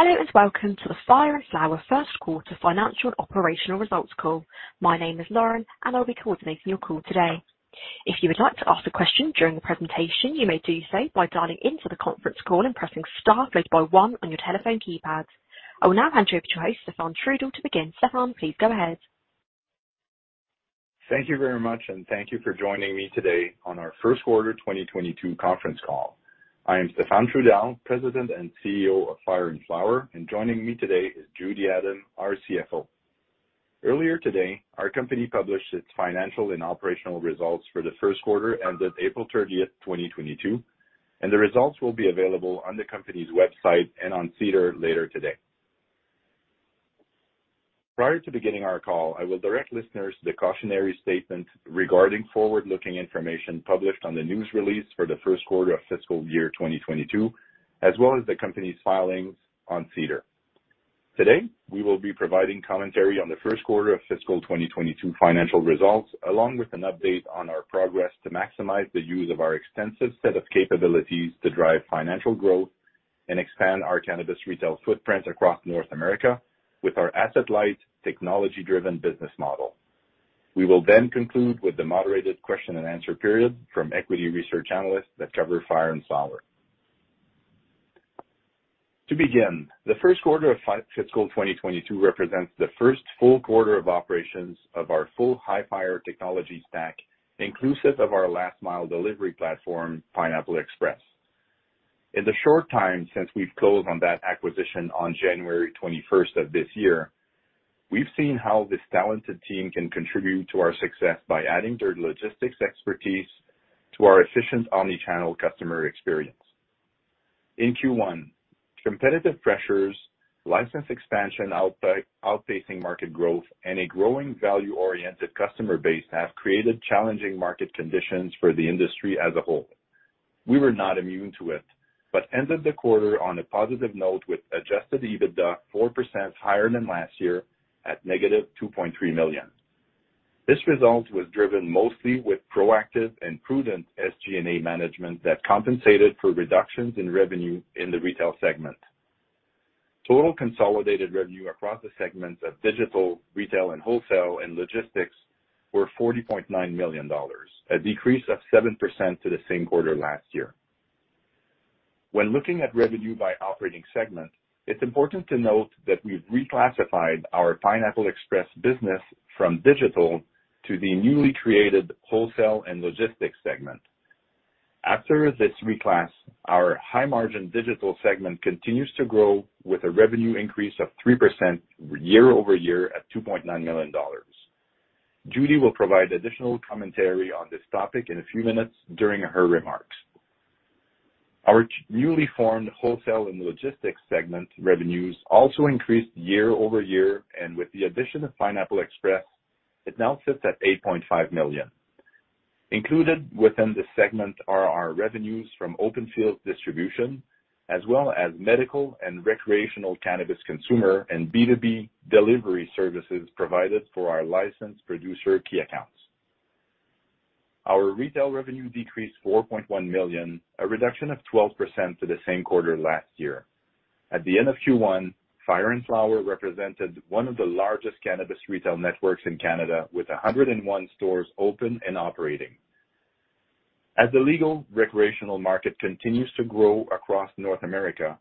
Hello, welcome to the Fire & Flower First Quarter Financial Operational Results Call. My name is Lawrence, and I'll be coordinating your call today. If you would like to ask a question during the presentation, you may do so by dialing into the conference call and pressing star followed by one on your telephone keypad. I will now hand you over to Stéphane Trudel to begin. Stéphane, please go ahead. Thank you very much, and thank you for joining me today on our first quarter 2022 conference call. I am Stéphane Trudel, President and CEO of Fire & Flower, and joining me today is Judy Adam, our CFO. Earlier today, our company published its financial and operational results for the first quarter as of April 30th, 2022, and the results will be available on the company's website and on SEDAR later today. Prior to beginning our call, I will direct listeners to the cautionary statement regarding forward-looking information published on the news release for the first quarter of fiscal year 2022, as well as the company's filings on SEDAR. Today, we will be providing commentary on the first quarter of fiscal 2022 financial results, along with an update on our progress to maximize the use of our extensive set of capabilities to drive financial growth and expand our cannabis retail footprint across North America with our asset-light, technology-driven business model. We will then conclude with the moderated question-and-answer period from equity research analysts that cover Fire & Flower. To begin, the first quarter of fiscal 2022 represents the first full quarter of operations of our full Hifyre technology stack, inclusive of our last-mile delivery platform, Pineapple Express. In the short time since we've closed on that acquisition on January 21st of this year, we've seen how this talented team can contribute to our success by adding their logistics expertise to our efficient omni-channel customer experience. In Q1, competitive pressures, licensed expansion outpacing market growth, and a growing value-oriented customer base have created challenging market conditions for the industry as a whole. We were not immune to it, but ended the quarter on a positive note with adjusted EBITDA 4% higher than last year at -2.3 million. This result was driven mostly with proactive and prudent SG&A management that compensated for reductions in revenue in the retail segment. Total consolidated revenue across the segments of digital, retail, and wholesale and logistics were 40.9 million dollars, a decrease of 7% to the same quarter last year. When looking at revenue by operating segment, it's important to note that we've reclassified our Pineapple Express business from digital to the newly created wholesale and logistics segment. After this reclass, our high-margin digital segment continues to grow with a revenue increase of 3% year-over-year at 2.9 million dollars. Judy will provide additional commentary on this topic in a few minutes during her remarks. Our newly formed Wholesale and Logistics segment revenues also increased year-over-year, and with the addition of Pineapple Express, it now sits at 8.5 million. Included within this segment are our revenues from Open Fields Distribution, as well as medical and recreational cannabis consumer and B2B delivery services provided for our licensed producer key accounts. Our retail revenue decreased to 4.1 million, a reduction of 12% to the same quarter last year. At the end of Q1, Fire & Flower represented one of the largest cannabis retail networks in Canada with 101 stores open and operating. As the legal recreational market continues to grow across North America,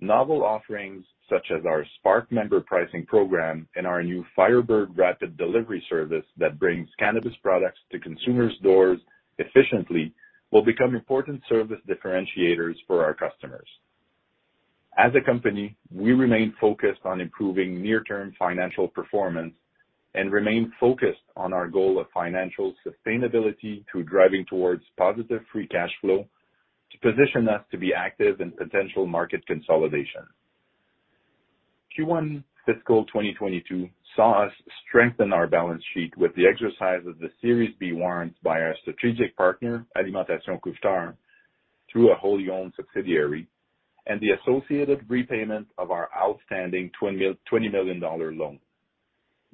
novel offerings such as our Spark member pricing program and our new Firebird rapid delivery service that brings cannabis products to consumers' doors efficiently, will become important service differentiators for our customers. As a company, we remain focused on improving near-term financial performance and remain focused on our goal of financial sustainability through driving towards positive free cash flow to position us to be active in potential market consolidation. Q1 fiscal 2022 saw us strengthen our balance sheet with the exercise of the Series B warrant by our strategic partner, Alimentation Couche-Tard, through a wholly-owned subsidiary, and the associated repayment of our outstanding 20 million dollar loan.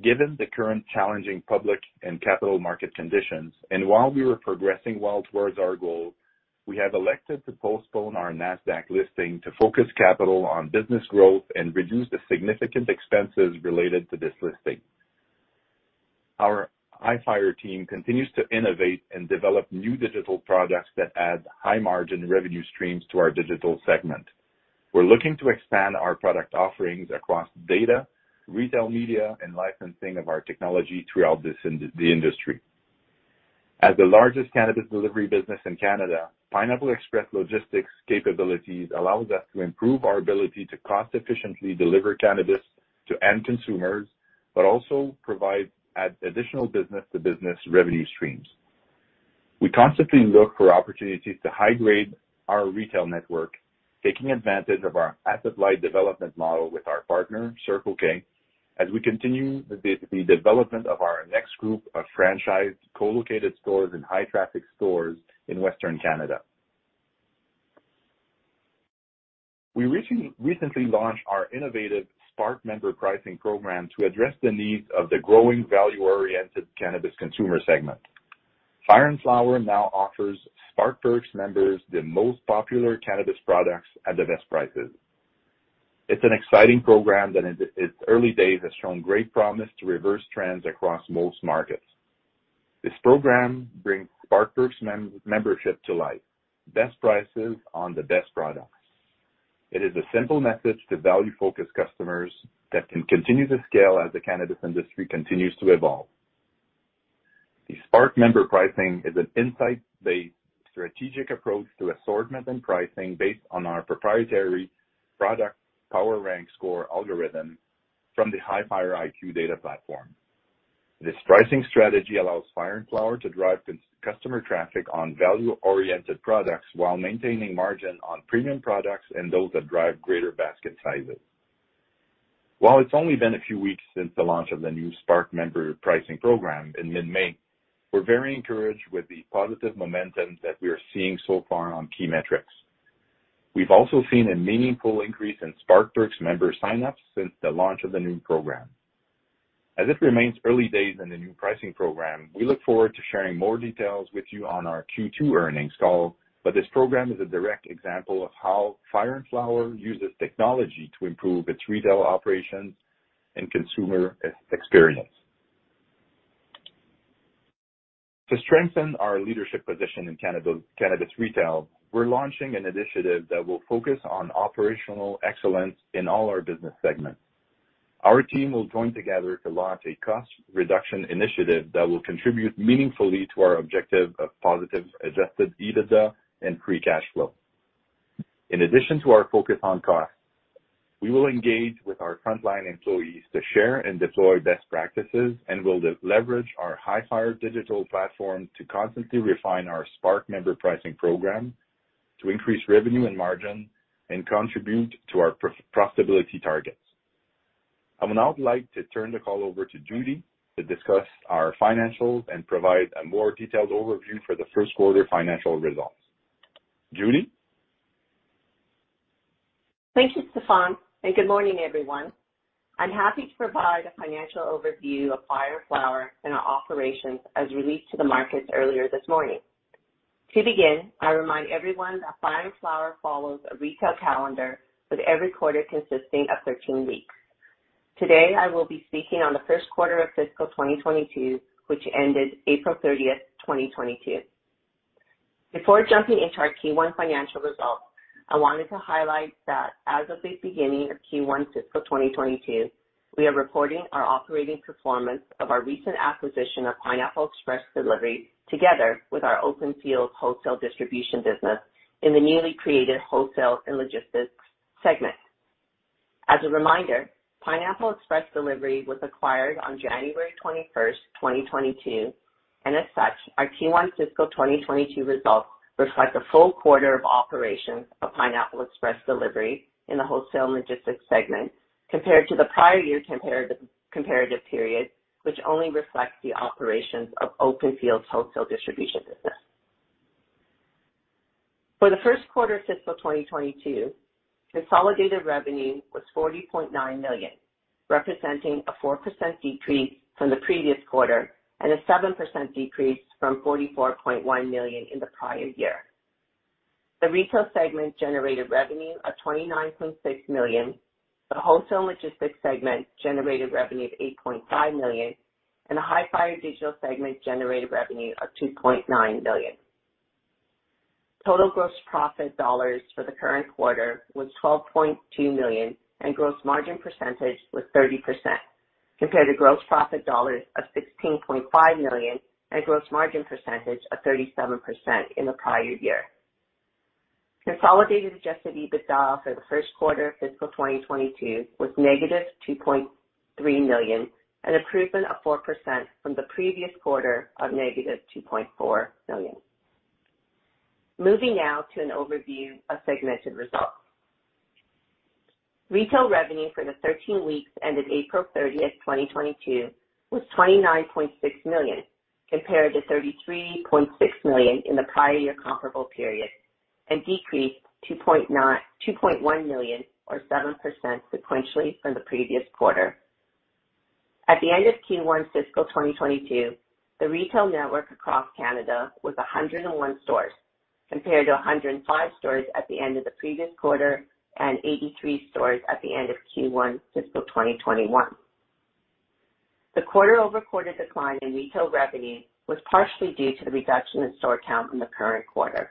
Given the current challenging public and capital market conditions, and while we were progressing well towards our goal, we have elected to postpone our Nasdaq listing to focus capital on business growth and reduce the significant expenses related to this listing. Our Hifyre team continues to innovate and develop new digital products that add high-margin revenue streams to our Hifyre Digital segment. We're looking to expand our product offerings across data, retail media, and licensing of our technology throughout the industry. As the largest cannabis delivery business in Canada, Pineapple Express logistics capabilities allows us to improve our ability to cost-efficiently deliver cannabis to end consumers, but also provide additional business-to-business revenue streams. We constantly look for opportunities to high-grade our retail network, taking advantage of our asset-light development model with our partner, Circle K, as we continue the development of our next group of franchised co-located stores and high-traffic stores in Western Canada. We recently launched our innovative Spark member pricing program to address the needs of the growing value-oriented cannabis consumer segment. Fire & Flower now offers Spark Perks members the most popular cannabis products at the best prices. It's an exciting program that in its early days has shown great promise to reverse trends across most markets. This program brings Spark Perks membership to life, best prices on the best products. It is a simple message to value-focused customers that can continue to scale as the cannabis industry continues to evolve. The Spark Member Pricing is an insight-based strategic approach to assortment and pricing based on our proprietary Product Power Rank Score algorithm from the Hifyre IQ data platform. This pricing strategy allows Fire & Flower to drive customer traffic on value-oriented products while maintaining margin on premium products and those that drive greater basket sizes. While it's only been a few weeks since the launch of the new Spark Member Pricing program in mid-May, we're very encouraged with the positive momentum that we are seeing so far on key metrics. We've also seen a meaningful increase in Spark Perks member sign-ups since the launch of the new program. As it remains early days in the new pricing program, we look forward to sharing more details with you on our Q2 earnings call. This program is a direct example of how Fire & Flower uses technology to improve its retail operations and consumer experience. To strengthen our leadership position in cannabis retail, we're launching an initiative that will focus on operational excellence in all our business segments. Our team will join together to launch a cost reduction initiative that will contribute meaningfully to our objective of positive adjusted EBITDA and free cash flow. In addition to our focus on cost, we will engage with our frontline employees to share and deploy best practices. We will leverage our Hifyre digital platform to constantly refine our Spark member pricing program to increase revenue and margin and contribute to our profitability targets. I would now like to turn the call over to Judy to discuss our financials and provide a more detailed overview for the first quarter financial results. Judy? Thank you, Stéphane. Good morning, everyone. I'm happy to provide a financial overview of Fire & Flower and our operations as released to the markets earlier this morning. To begin, I remind everyone that Fire & Flower follows a retail calendar, with every quarter consisting of 13 weeks. Today, I will be speaking on the first quarter of fiscal 2022, which ended April 30th, 2022. Before jumping into our Q1 financial results, I wanted to highlight that as of the beginning of Q1 fiscal 2022, we are reporting our operating performance of our recent acquisition of Pineapple Express Delivery together with our Open Fields Wholesale Distribution business in the newly created Wholesale and Logistics segment. As a reminder, Pineapple Express Delivery was acquired on January 21st, 2022. As such, our Q1 fiscal 2022 results reflect a full quarter of operations of Pineapple Express Delivery in the Wholesale and Logistics segment compared to the prior year comparative period, which only reflects the operations of Open Fields Distribution business. For the first quarter of fiscal 2022, consolidated revenue was 40.9 million, representing a 4% decrease from the previous quarter and a 7% decrease from 44.1 million in the prior year. The retail segment generated revenue of 29.6 million, the Wholesale Logistics segment generated revenue of 8.5 million, and the Hifyre digital segment generated revenue of 2.9 million. Total gross profit dollars for the current quarter was 12.2 million, and gross margin percentage was 30%, compared to gross profit dollars of 16.5 million and gross margin percentage of 37% in the prior year. Consolidated adjusted EBITDA for the first quarter of fiscal 2022 was negative 2.3 million, an improvement of 4% from the previous quarter of negative 2.4 million. Moving now to an overview of segmented results. Retail revenue for the 13 weeks ended April 30th, 2022, was 29.6 million compared to 33.6 million in the prior year comparable period, a decrease of 2.1 million or 7% sequentially from the previous quarter. At the end of Q1 fiscal 2022, the retail network across Canada was 101 stores, compared to 105 stores at the end of the previous quarter and 83 stores at the end of Q1 fiscal 2021. The quarter-over-quarter decline in retail revenue was partially due to the reduction in store count in the current quarter.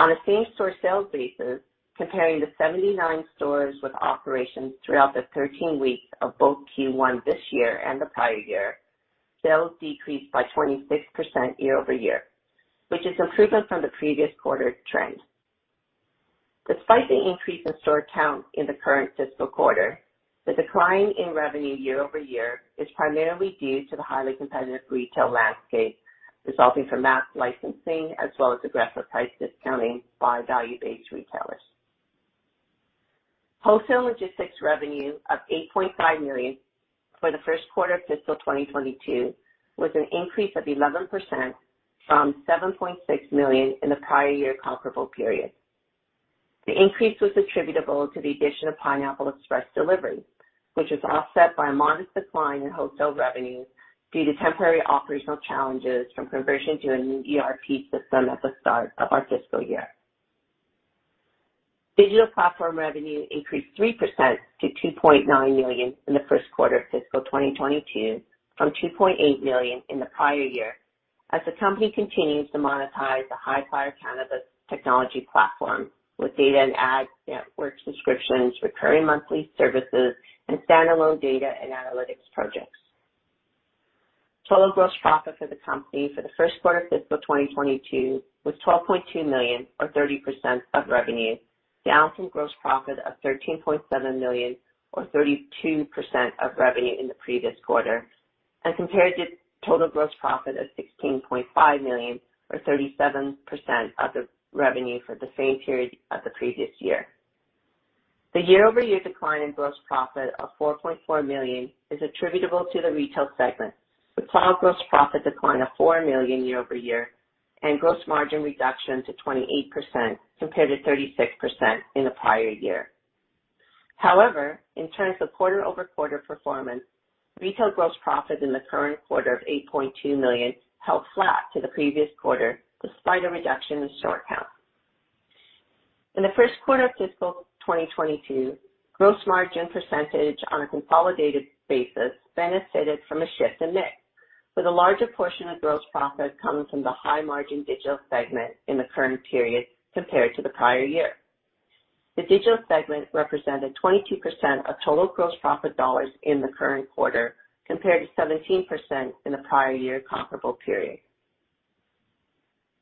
On a same-store sales basis, comparing the 79 stores with operations throughout the 13 weeks of both Q1 this year and the prior year, sales decreased by 26% year-over-year, which is improvement from the previous quarter's trend. Despite the increase in store count in the current fiscal quarter, the decline in revenue year-over-year is primarily due to the highly competitive retail landscape resulting from mass licensing as well as aggressive price discounting by value-based retailers. Wholesale logistics revenue of 8.5 million for the first quarter of fiscal 2022 was an increase of 11% from 7.6 million in the prior year comparable period. The increase was attributable to the addition of Pineapple Express Delivery, which was offset by a modest decline in wholesale revenue due to temporary operational challenges from conversions to a new ERP system at the start of our fiscal year. Digital platform revenue increased 3% to 2.9 million in the first quarter of fiscal 2022 from 2.8 million in the prior year, as the company continues to monetize the Hifyre cannabis technology platform with data and ads, network subscriptions, recurring monthly services, and standalone data and analytics projects. Total gross profit for the company for the first quarter of fiscal 2022 was 12.2 million or 30% of revenue, down from gross profit of 13.7 million or 32% of revenue in the previous quarter as compared to total gross profit of 16.5 million or 37% of the revenue for the same period of the previous year. The year-over-year decline in gross profit of 4.4 million is attributable to the retail segment. The cloud gross profit decline of 4 million year-over-year, and gross margin reduction to 28% compared to 36% in the prior year. However, in terms of quarter-over-quarter performance, retail gross profit in the current quarter of 8.2 million held flat to the previous quarter despite a reduction in store count. In the first quarter of fiscal 2022, gross margin percentage on a consolidated basis benefited from a shift in mix, with a larger portion of gross profit coming from the high-margin digital segment in the current period compared to the prior year. The digital segment represented 22% of total gross profit dollars in the current quarter, compared to 17% in the prior year comparable period.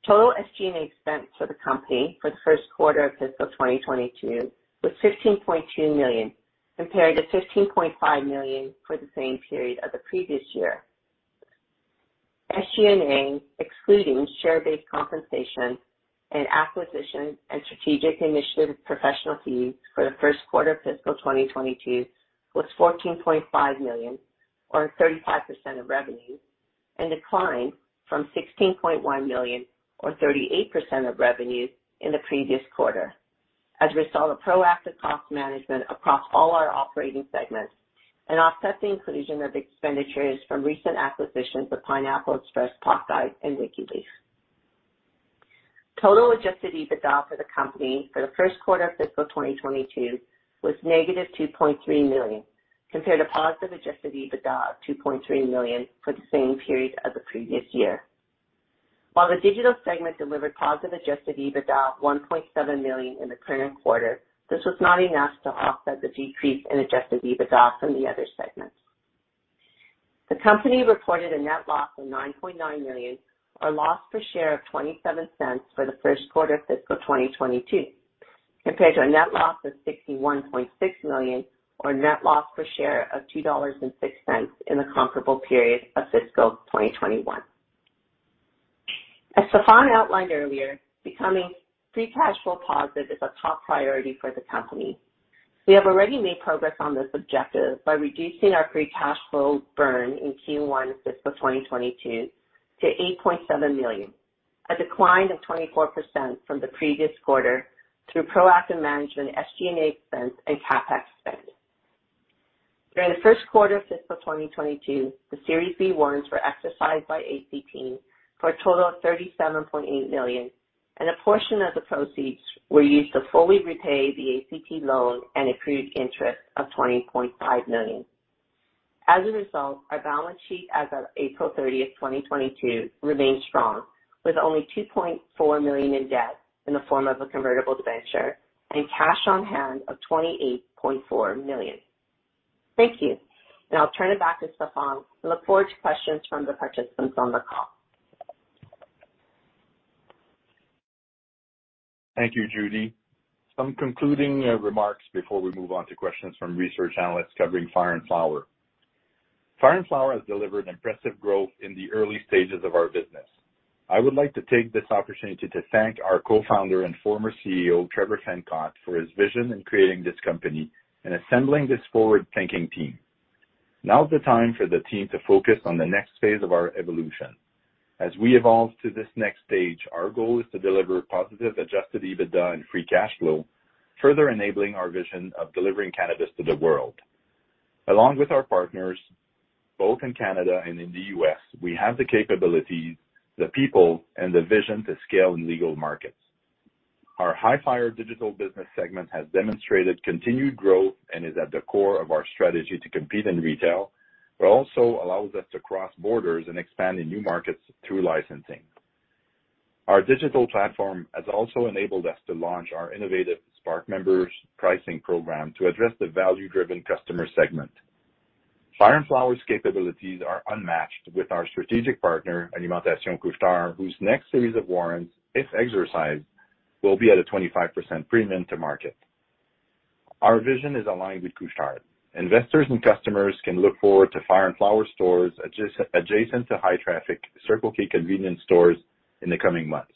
Total SG&A expense for the company for the first quarter of fiscal 2022 was 15.2 million, compared to 15.5 million for the same period of the previous year. SG&A, excluding share-based compensation and acquisition and strategic initiative professional fees for the first quarter of fiscal 2022, was 14.5 million, or 35% of revenue, and declined from 16.1 million or 38% of revenue in the previous quarter, as a result of proactive cost management across all our operating segments and offset the inclusion of expenditures from recent acquisitions of Pineapple Express, PotGuide, and Wikileaf. Total adjusted EBITDA for the company for the first quarter of fiscal 2022 was -2.3 million, compared to positive adjusted EBITDA of 2.3 million for the same period as the previous year. While the digital segment delivered positive adjusted EBITDA of 1.7 million in the current quarter, this was not enough to offset the decrease in adjusted EBITDA from the other segments. The company reported a net loss of 9.9 million, or loss per share of 0.27 for the first quarter of fiscal 2022, compared to a net loss of 61.6 million or a net loss per share of 2.06 dollars in the comparable period of fiscal 2021. As Stéphane outlined earlier, becoming free cash flow positive is a top priority for the company. We have already made progress on this objective by reducing our free cash flow burn in Q1 fiscal 2022 to 8.7 million, a decline of 24% from the previous quarter through proactive management of SG&A expense and CapEx spending. During the first quarter of fiscal 2022, the Series B warrants were exercised by ACT for a total of 37.8 million, and a portion of the proceeds were used to fully repay the ACT loan and accrued interest of 20.5 million. As a result, our balance sheet as of April 30th, 2022 remains strong, with only 2.4 million in debt in the form of a convertible debenture and cash on hand of 28.4 million. Thank you. Now I'll turn it back to Stéphane who looks forward to questions from the participants on the call. Thank you, Judy. Some concluding remarks before we move on to questions from research analysts covering Fire & Flower. Fire & Flower has delivered impressive growth in the early stages of our business. I would like to take this opportunity to thank our co-founder and former CEO, Trevor Fencott, for his vision in creating this company and assembling this forward-thinking team. Now is the time for the team to focus on the next phase of our evolution. As we evolve to this next stage, our goal is to deliver positive adjusted EBITDA and free cash flow, further enabling our vision of delivering cannabis to the world. Along with our partners, both in Canada and in the U.S., we have the capabilities, the people, and the vision to scale in legal markets. Our Hifyre digital segment has demonstrated continued growth and is at the core of our strategy to compete in retail, but also allows us to cross borders and expand in new markets through licensing. Our digital platform has also enabled us to launch our innovative Spark Members Pricing program to address the value-driven customer segment. Fire & Flower's capabilities are unmatched with our strategic partner, Alimentation Couche-Tard, whose next Series B warrant, if exercised, will be at a 25% premium to market. Our vision is aligned with Couche-Tard. Investors and customers can look forward to Fire & Flower stores adjacent to high-traffic Circle K convenience stores in the coming months.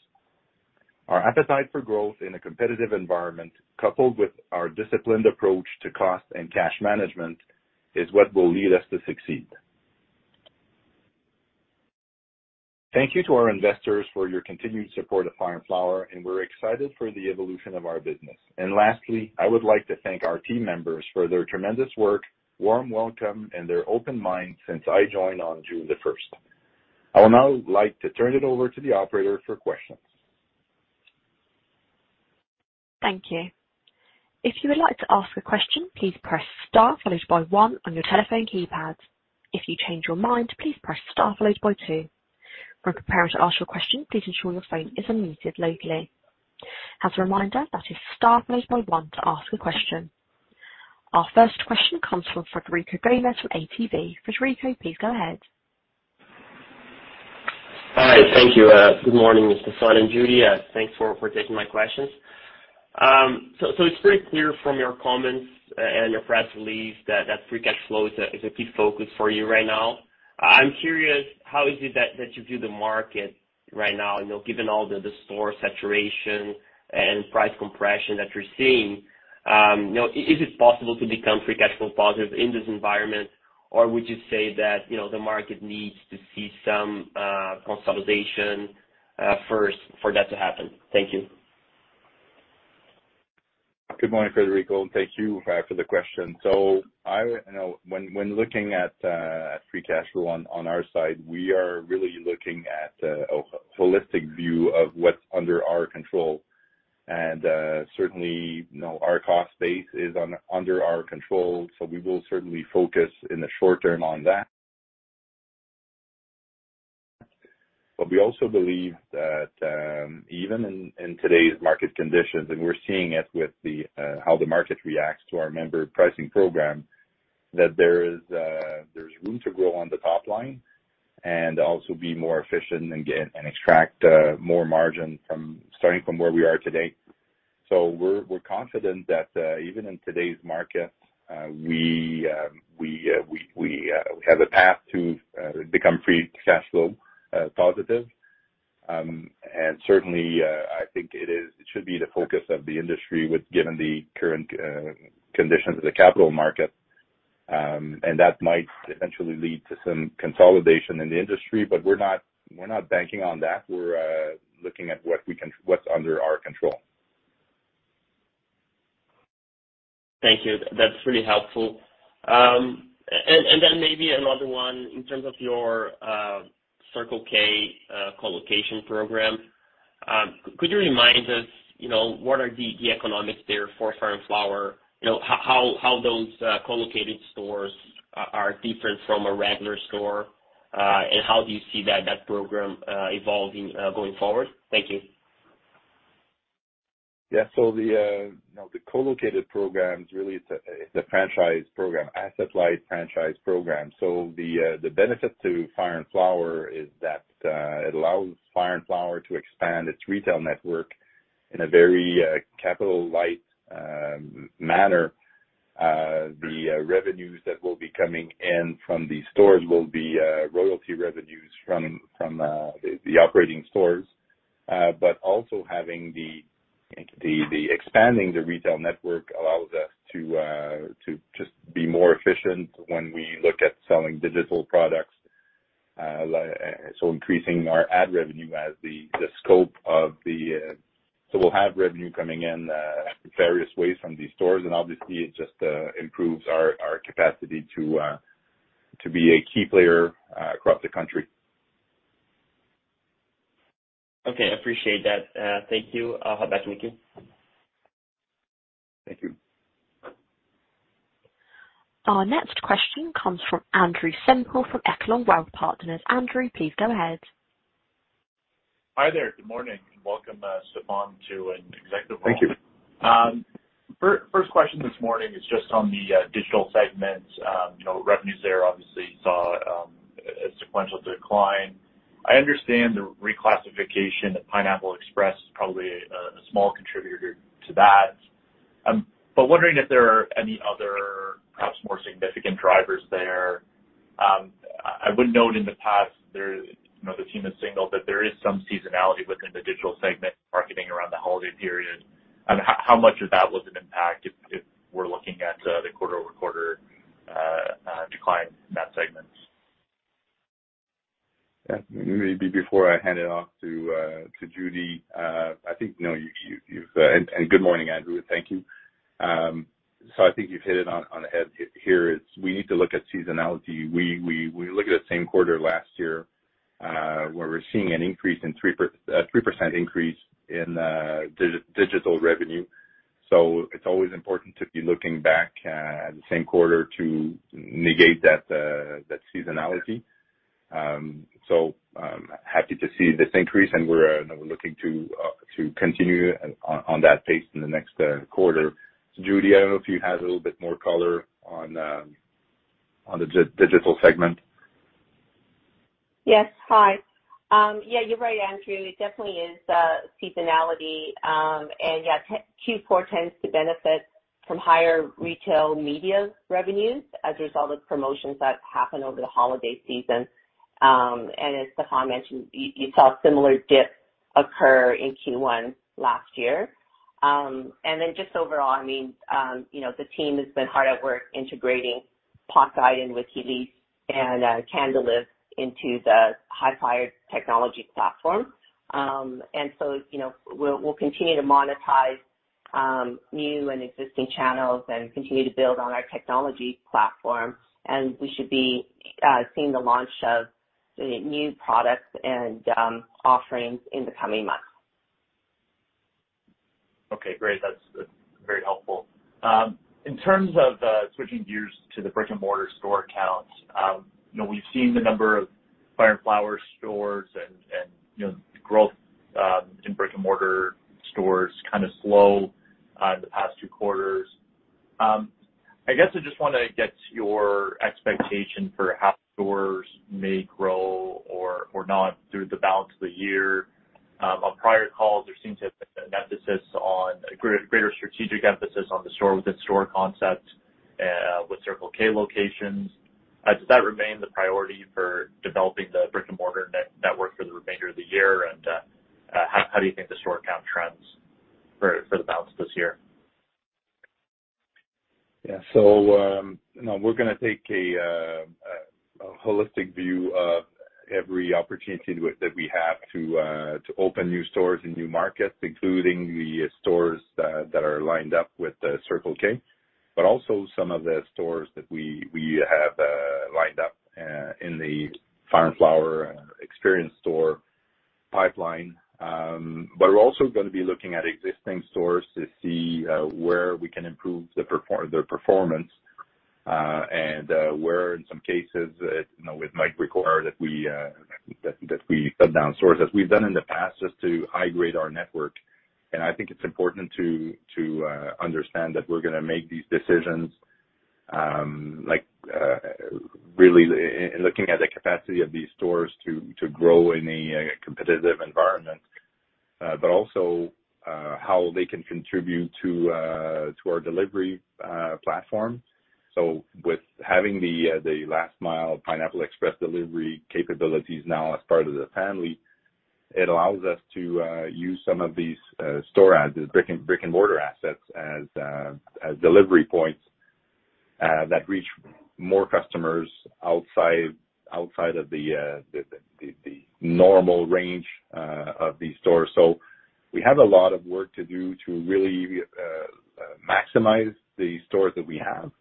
Our appetite for growth in a competitive environment, coupled with our disciplined approach to cost and cash management, is what will lead us to succeed. Thank you to our investors for your continued support of Fire & Flower, and we're excited for the evolution of our business. Lastly, I would like to thank our team members for their tremendous work, warm welcome, and their open mind since I joined on June 1st. I would now like to turn it over to the operator for questions. Thank you. If you would like to ask a question, please press star followed by one on your telephone keypad. If you change your mind, please press star followed by two. Prepare to ask a question and please ensure your phone is unmuted locally. Our first question comes from Frederico Gomes with ATB. Frederico, please go ahead. Hi. Thank you. Good morning, Stéphane and Judy. Thanks for taking my questions. It's pretty clear from your comments and the press release that free cash flow is a big focus for you right now. I'm curious, how is it that you view the market right now, given all the store saturation and price compression that you're seeing. Is it possible to become free cash flow positive in this environment, or would you say that the market needs to see some consolidation first for that to happen? Thank you. Good morning, Frederico, and thank you for the question. When looking at free cash flow on our side, we are really looking at a holistic view of what's under our control. Certainly, our cost base is under our control, so we will certainly focus in the short-term on that. We also believe that even in today's market conditions, and we're seeing it with how the market reacts to our member pricing program, that there's room to grow on the top line and also be more efficient and extract more margin starting from where we are today. We're confident that even in today's market, we have a path to become free cash flow positive. Certainly, I think it should be the focus of the industry given the current conditions of the capital market. That might eventually lead to some consolidation in the industry, but we're not banking on that. We're looking at what's under our control. Thank you. That's really helpful. Then maybe another one in terms of your Circle K Co-location Program. Could you remind us, what are the economics there for Fire & Flower? How those co-located stores are different from a regular store, and how do you see that program evolving going forward? Thank you. Yeah. The co-located program really is a franchise program, asset light franchise program. The benefit to Fire & Flower is that it allows Fire & Flower to expand its retail network in a very capital light manner. The revenues that will be coming in from these stores will be royalty revenues from the operating stores. Also expanding the retail network allows us to just be more efficient when we look at selling digital products. We'll have revenue coming in various ways from these stores, and obviously it just improves our capacity to be a key player across the country. Okay. Appreciate that. Thank you. I'll have back to you. Thank you. Our next question comes from Andrew Semple for Echelon Wealth Partners. Andrew, please go ahead. Hi there. Good morning. Welcome, Stéphane, to the Executive. Thank you. First question this morning is just on the digital segment. Revenues there obviously saw a sequential decline. I understand the reclassification of Pineapple Express is probably a small contributor to that. Wondering if there are any other, perhaps more significant drivers there. I would note in the past, that human signal, that there is some seasonality within the digital segment marketing around the holiday period. How much of that was an impact if we're looking at the quarter-over-quarter decline in that segment? Yeah. Maybe before I hand it off to Judy. Good morning, Andrew. Thank you. I think you've hit it on the head here is we need to look at seasonality. We look at the same quarter last year, where we're seeing a 3% increase in digital revenue. It's always important to be looking back at the same quarter to negate that seasonality. Happy to see this increase, and we're looking to continue on that pace in the next quarter. Judy, I don't know if you have a little bit more color on the Digital segment. Yes. Hi. You're right, Andrew. It definitely is seasonality. Q4 tends to benefit from higher retail media revenues as a result of promotions that happen over the holiday season. As Stéphane mentioned, you saw similar dips occur in Q1 last year. Just overall, the team has been hard at work integrating PotGuide and with Wikileaf and Wikileaf into the Hifyre Technology platform. We'll continue to monetize new and existing channels and continue to build on our technology platform. We should be seeing the launch of new products and offerings in the coming months. Okay, great. That's very helpful. In terms of switching gears to the brick-and-mortar store counts, we've seen the number of Fire & Flower stores and the growth in brick-and-mortar stores slow in the past two quarters. I guess I just want to get your expectation for how stores may grow or not through the balance of the year. On prior calls, there seems to have been a greater strategic emphasis on the store-within-a-store concept with Circle K locations. Does that remain the priority for developing the brick-and-mortar network for the remainder of the year? How do you think the store count trends for the balance of this year? Yeah. We're going to take a holistic view of every opportunity that we have to open new stores in new markets, including the stores that are lined up with the Circle K, but also some of the stores that we have lined up in the Fire & Flower experience store pipeline. We're also going to be looking at existing stores to see where we can improve their performance, and where, in some cases, it might require that we shut down stores as we've done in the past just to high-grade our network. I think it's important to understand that we're going to make these decisions, really looking at the capacity of these stores to grow in a competitive environment. Also how they can contribute to our delivery platform. With having the last mile Pineapple Express Delivery capabilities now as part of the family, it allows us to use some of these store assets, brick-and-mortar assets as delivery points that reach more customers outside of the normal range of these stores. We have a lot of work to do to really maximize the stores that we have.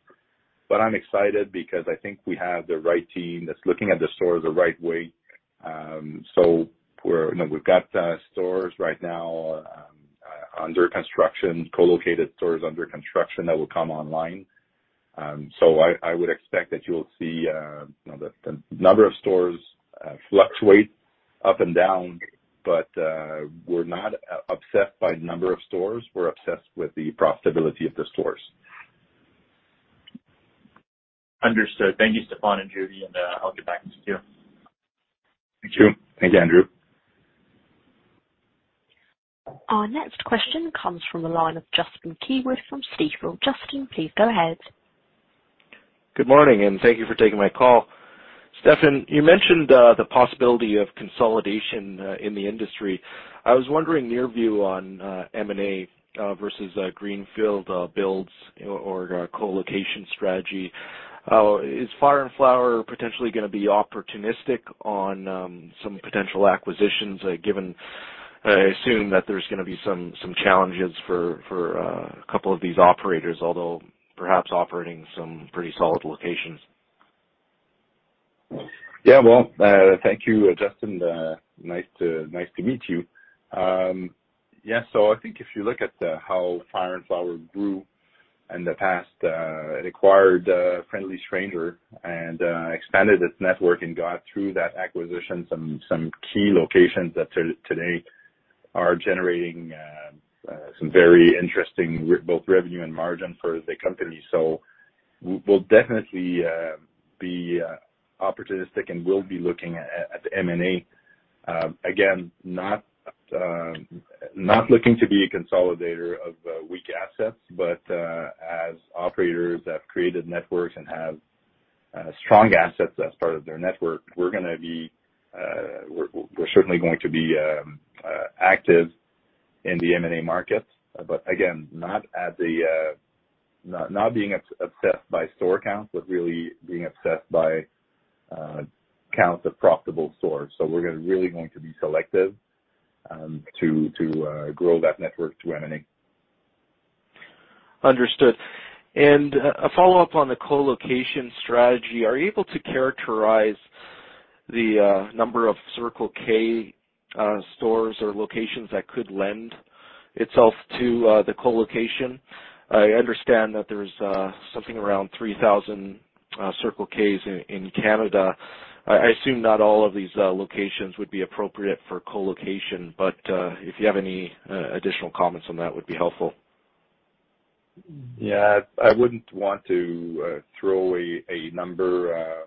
I'm excited because I think we have the right team that's looking at the stores the right way. We've got stores right now under construction, co-located stores under construction that will come online. I would expect that you'll see the number of stores fluctuate up and down. We're not obsessed by number of stores. We're obsessed with the profitability of the stores. Understood. Thank you, Stéphane and Judy. I'll get back to you. Thank you. Thanks, Andrew. Our next question comes from the line of Justin Keywood from Stifel. Justin, please go ahead. Good morning. Thank you for taking my call. Stéphane, you mentioned the possibility of consolidation in the industry. I was wondering your view on M&A versus greenfield builds or co-location strategy. Is Fire & Flower potentially going to be opportunistic on some potential acquisitions given, I assume that there's going to be some challenges for a couple of these operators, although perhaps operating some pretty solid locations. Well, thank you, Justin. Nice to meet you. I think if you look at how Fire & Flower grew in the past, acquired Friendly Stranger and expanded its network and got through that acquisition, some key locations that today are generating some very interesting both revenue and margin for the company. We'll definitely be opportunistic, and we'll be looking at M&A. Again, not looking to be a consolidator of weak assets, but as operators that have created networks and have strong assets as part of their network, we're certainly going to be active in the M&A markets. Again, not being obsessed by store counts, but really being obsessed by count of profitable stores. We're really going to be selective to grow that network through M&A. Understood. A follow-up on the co-location strategy. Are you able to characterize the number of Circle K stores or locations that could lend itself to the co-location? I understand that there's something around 3,000 Circle Ks in Canada. I assume not all of these locations would be appropriate for co-location, but if you have any additional comments on that, would be helpful. Yeah. I wouldn't want to throw a number.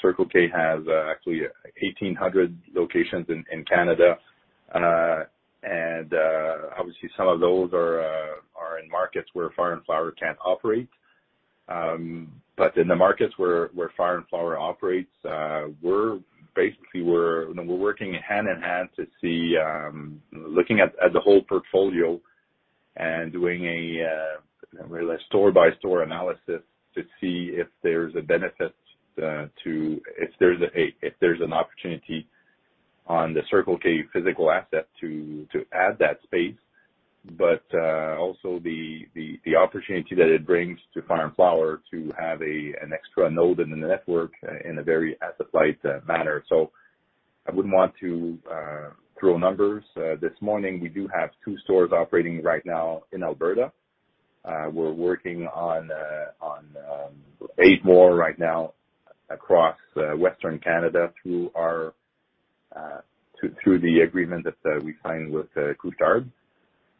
Circle K has actually 1,800 locations in Canada. Obviously some of those are in markets where Fire & Flower can't operate. In the markets where Fire & Flower operates, basically we're working hand in hand to see, looking at the whole portfolio and doing a really store-by-store analysis to see if there's a benefit, if there's an opportunity on the Circle K physical asset to add that space, but also the opportunity that it brings to Fire & Flower to have an extra node in the network in a very asset-light manner. I wouldn't want to throw numbers. This morning, we do have two stores operating right now in Alberta. We're working on eight more right now across Western Canada through the agreement that we signed with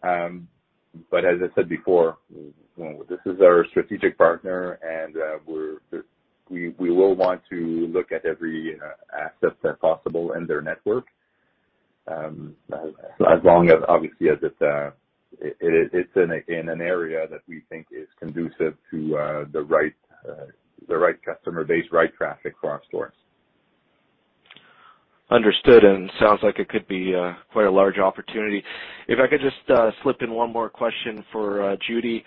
Couche-Tard. As I said before, this is our strategic partner, and we will want to look at every asset that's possible in their network, as long as, obviously, it's in an area that we think is conducive to the right customer base, right traffic for our stores. Understood. Sounds like it could be quite a large opportunity. If I could just slip in one more question for Judy.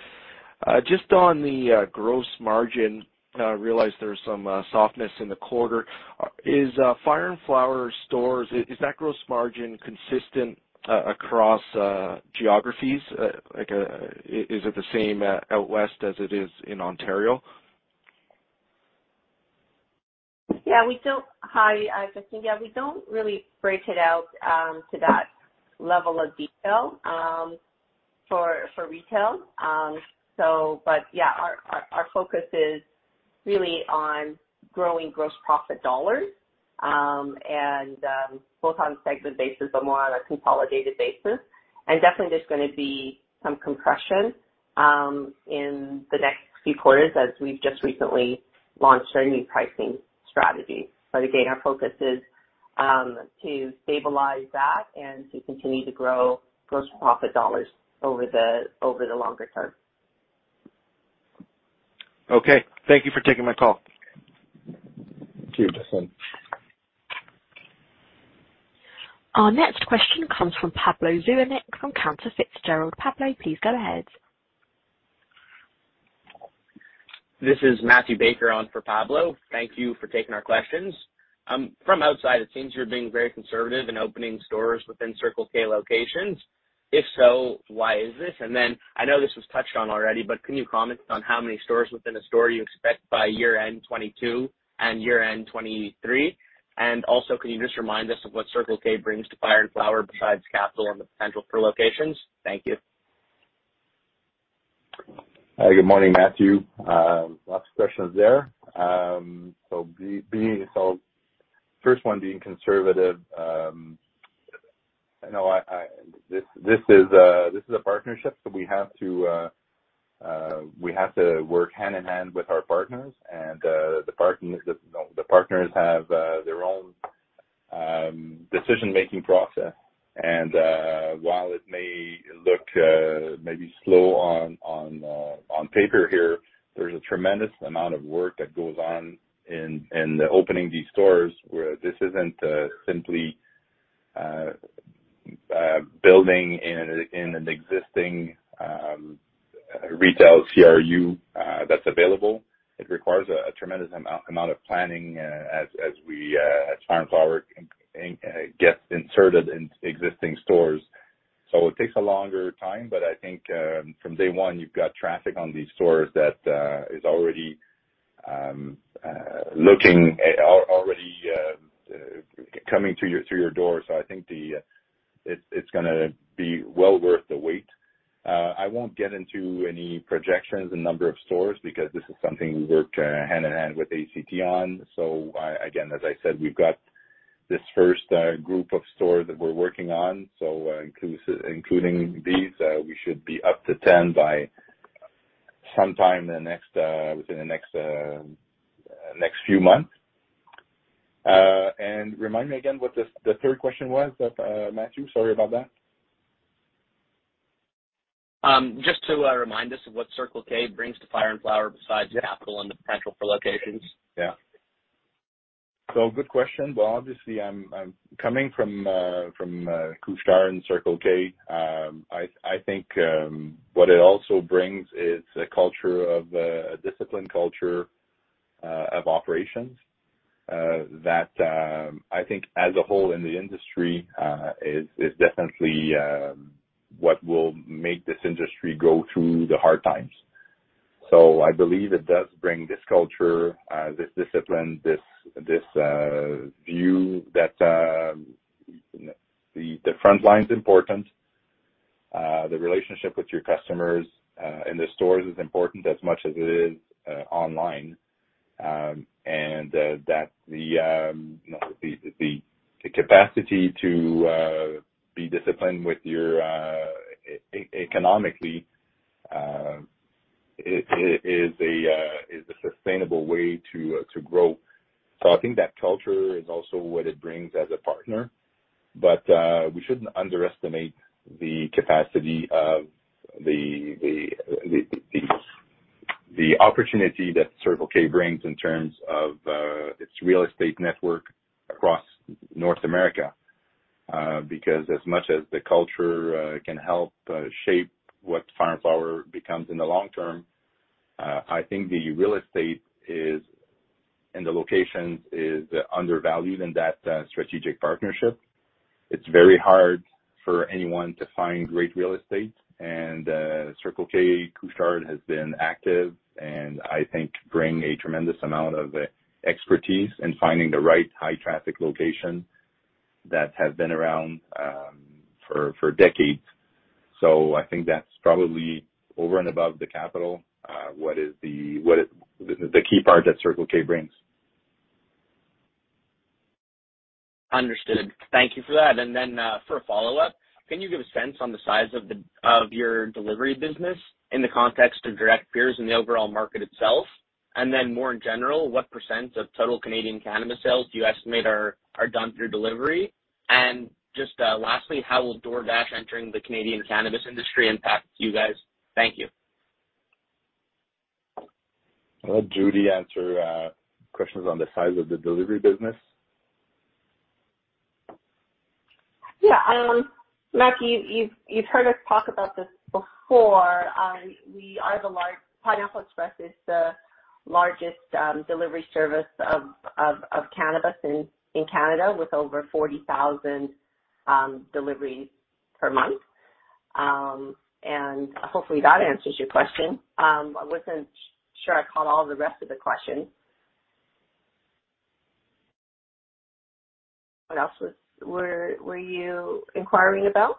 Just on the gross margin, I realize there's some softness in the quarter. Is Fire & Flower stores, is that gross margin consistent across geographies? Is it the same out West as it is in Ontario? Yeah. Hi, Justin. Yeah, we don't really break it out to that level of detail for retail. Yeah, our focus is really on growing gross profit dollars, both on a segment basis and more on a consolidated basis. Definitely there's going to be some compression in the next few quarters as we've just recently launched our new pricing strategy. Again, our focus is to stabilize that and to continue to grow gross profit dollars over the longer term. Okay, thank you for taking my call. Thank you. Thanks. Our next question comes from Pablo Zuanic from Cantor Fitzgerald. Pablo, please go ahead. This is Matthew Baker on for Pablo. Thank you for taking our questions. From outside, it seems you're being very conservative in opening stores within Circle K locations. If so, why is this? I know this was touched on already, but can you comment on how many stores within a store you expect by year-end 2022 and year-end 2023? Can you just remind us of what Circle K brings to Fire & Flower besides capital and the potential for locations? Thank you. Good morning, Matthew. Lots of questions there. First one, being conservative. This is a partnership, we have to work hand-in-hand with our partners. The partners have their own decision-making process. While it may look maybe slow on paper here, there's a tremendous amount of work that goes on in opening these stores. This isn't simply building in an existing retail CRU that's available. It requires a tremendous amount of planning as Fire & Flower gets inserted into existing stores. It takes a longer time, but I think from day one, you've got traffic on these stores that is already coming to your door. I think it's going to be well worth the wait. I won't get into any projections and number of stores, because this is something we work hand-in-hand with ACT on. Again, as I said, we've got this first group of stores that we're working on. Including these, we should be up to 10 by sometime within the next few months. Remind me again what the third question was, Matthew. Sorry about that. Just to remind us of what Circle K brings to Fire & Flower besides capital and the potential for locations. Good question. Obviously, coming from Couche-Tard and Circle K, I think what it also brings is a disciplined culture of operations that I think as a whole in the industry, is definitely what will make this industry go through the hard times. I believe it does bring this culture, this discipline, this view that the frontline is important, the relationship with your customers in the stores is important as much as it is online. That the capacity to be disciplined economically is a sustainable way to grow. I think that culture is also what it brings as a partner. We shouldn't underestimate the opportunity that Circle K brings in terms of its real estate network across North America, because as much as the culture can help shape what Fire & Flower becomes in the long term, I think the real estate and the locations is undervalued in that strategic partnership. It's very hard for anyone to find great real estate, and Circle K Couche-Tard has been active and I think bring a tremendous amount of expertise in finding the right high-traffic location that has been around for decades. I think that's probably over and above the capital, what is the key part that Circle K brings. Understood. Thank you for that. Then, for a follow-up, can you give a sense on the size of your delivery business in the context of direct peers in the overall market itself? Then more in general, what percent of total Canadian cannabis sales do you estimate are done through delivery? Just lastly, how will DoorDash entering the Canadian cannabis industry impact you guys? Thank you. I'll let Judy answer questions on the size of the delivery business. Yeah. Matthew, you've heard us talk about this before. Pineapple Express is the largest delivery service of cannabis in Canada, with over 40,000 deliveries per month. Hopefully, that answers your question. I wasn't sure on all the rest of the question. What else were you inquiring about?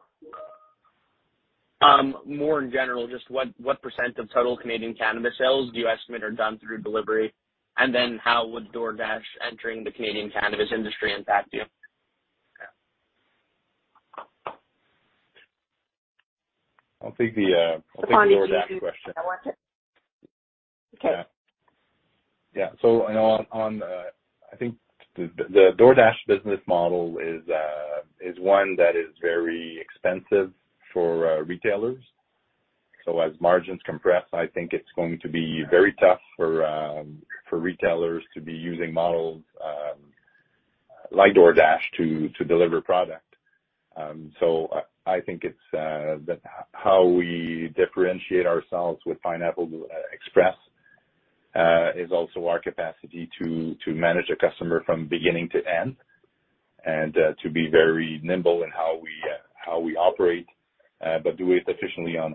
More in general, just what percent of total Canadian cannabis sales do you estimate are done through delivery, and then how would DoorDash entering the Canadian cannabis industry impact you? I'll take the DoorDash question. Do you want me to take that one? Yeah. I think the DoorDash business model is one that is very expensive for retailers. As margins compress, I think it's going to be very tough for retailers to be using models like DoorDash to deliver product. I think how we differentiate ourselves with Pineapple Express is also our capacity to manage a customer from beginning to end and to be very nimble in how we operate, but do it efficiently on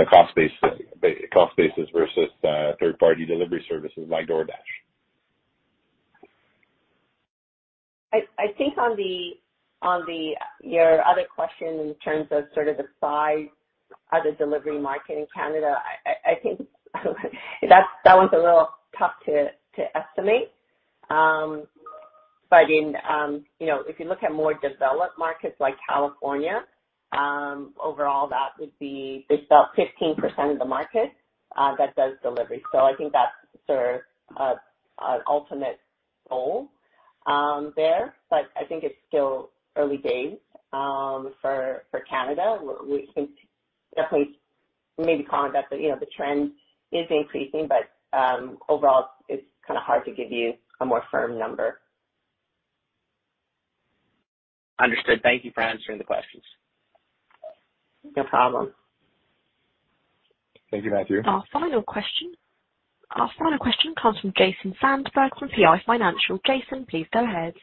a cost basis versus third-party delivery services like DoorDash. I think on your other question in terms of sort of the size of the delivery market in Canada, I think that one's a little tough to estimate. If you look at more developed markets like California, overall that would be about 15% of the market that does delivery. I think that serves as an ultimate goal there, but I think it's still early days for Canada. We can definitely make a comment that the trend is increasing, overall, it's kind of hard to give you a more firm number. Understood. Thank you for answering the questions. No problem. Thank you, Matthew. Our final question comes from Jason Zandberg from PI Financial. Jason, please go ahead.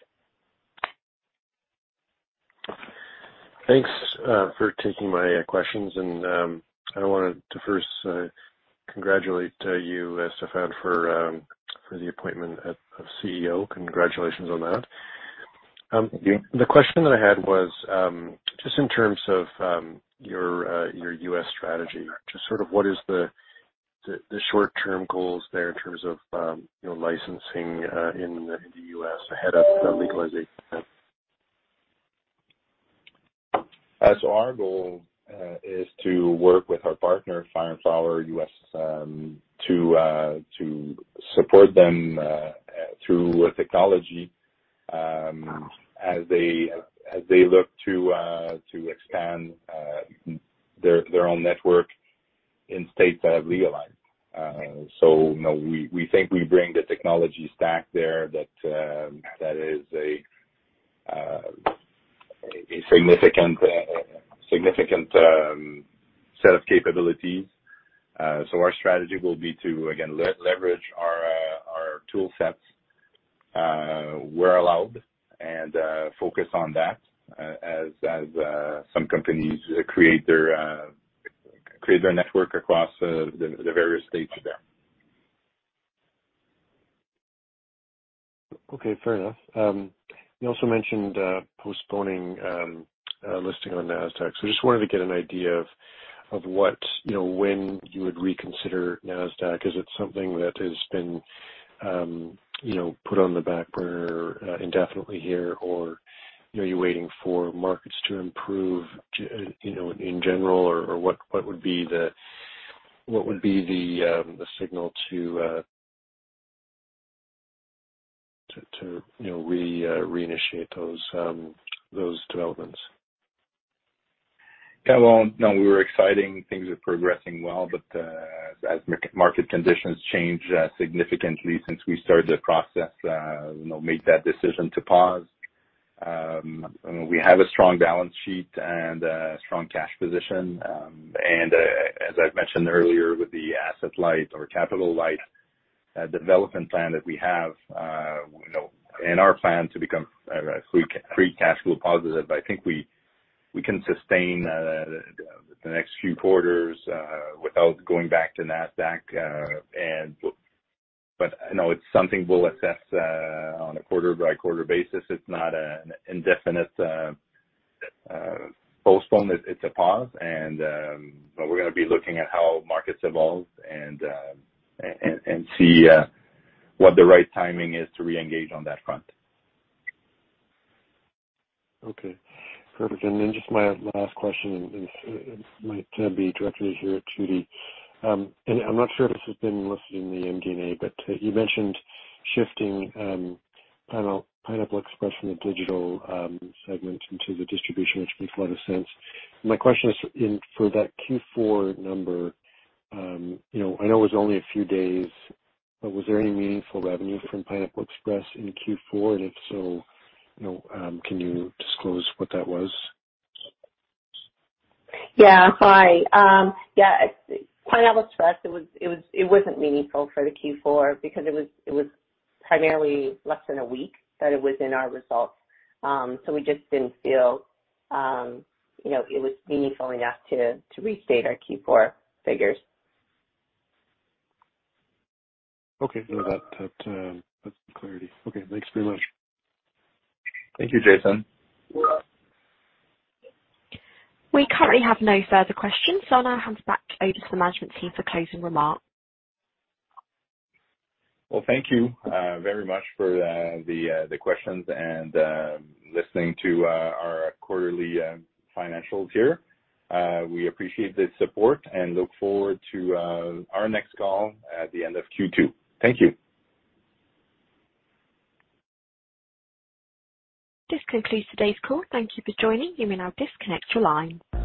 Thanks for taking my questions, and I wanted to first congratulate you, Stéphane, for the appointment of CEO. Congratulations on that. Thank you. The question that I had was just in terms of your U.S. strategy, just sort of what is the short-term goals there in terms of licensing in the U.S. ahead of legalization? Our goal is to work with our partners, Fire & Flower U.S., to support them through technology as they look to expand their own network in states that have legalized. We think we bring the technology stack there that is a significant set of capabilities. Our strategy will be to, again, leverage our tool sets where allowed and focus on that as some companies create their network across the various states there. Okay, fair enough. You also mentioned postponing listing on Nasdaq. I just wanted to get an idea of when you would reconsider Nasdaq. Is it something that has been put on the back burner indefinitely here, or are you waiting for markets to improve in general, or what would be the signal to reinitiate those developments? Well, no, we're exciting. Things are progressing well, the market conditions changed significantly since we started the process, made that decision to pause. We have a strong balance sheet and a strong cash position. As I've mentioned earlier, with the asset light or capital light development plan that we have, in our plans to become free cash flow positive, I think we can sustain the next few quarters, without going back to Nasdaq. I know it's something we'll assess, on a quarter by quarter basis. It's not an indefinite postpone. It's a pause. We're going to be looking at how markets evolve and see what the right timing is to re-engage on that front. Okay, perfect. My last question is going to be directed to Judy. I'm not sure if this has been listed in the MD&A, but you mentioned shifting Pineapple Express from the digital segment into the distribution segment for the first instance. My question is for that Q4 number, I know it was only a few days, but was there any meaningful revenue from Pineapple Express in Q4? If so, can you disclose what that was? Yeah. Hi. Yeah. Pineapple Express, it wasn't meaningful for the Q4 because it was primarily less than a week that it was in our results. We just didn't feel it was meaningful enough to restate our Q4 figures. Okay. That's clarity. Okay, thanks very much. Thank you, Jason. We currently have no further questions. I'll hand back over to management team for closing remarks. Well, thank you very much for the questions and listening to our quarterly financials here. We appreciate the support and look forward to our next call at the end of Q2. Thank you. This concludes today's call. Thank you for joining. You may now disconnect your line.